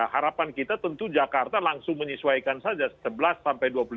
harapan kita tentu jakarta langsung menyesuaikan saja sebelas sampai dua puluh lima